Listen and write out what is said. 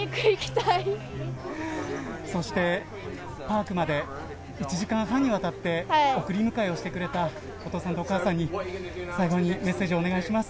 そして、パークまで１時間半にわたって送り迎えをしてくれたお父さんとお母さんに最後にメッセージをお願いします。